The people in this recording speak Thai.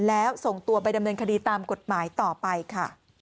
แล้วส่งตัวไปดำเนินคดีตามกฎหมายต่อไปค่ะ